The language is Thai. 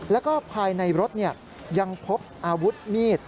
แล้วก็ภายในรถยังพบอาวุธมีด